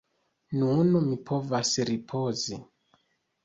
Nun mi povas ripozi.